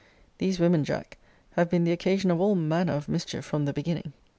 These women, Jack, have been the occasion of all manner of mischief from the beginning!